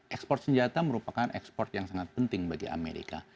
ekspor senjata merupakan ekspor yang sangat penting bagi amerika